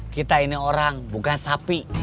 kita ini orang bukan sapi